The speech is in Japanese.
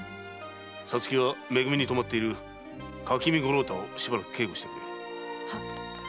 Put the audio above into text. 皐月はめ組に泊まっている垣見五郎太を警護をしてくれ。